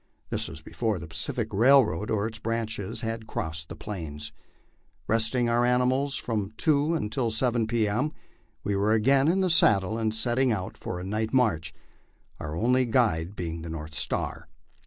This was before the Pacific Railroad or its branches had crossed the Plains. Resting our ani mals from two until seven p. M., we were again in the saddle and setting out for a night march, our only guide being the north star.